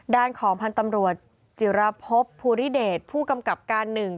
ด้านของพันธ์ตำรวจจิระพบภูริเดชผู้กำกับการหนึ่ง